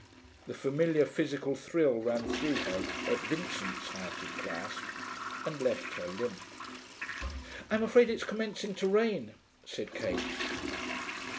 The familiar physical thrill ran through her at Vincent's hearty clasp, and left her limp. 'I'm afraid it's commencing to rain,' said Kate.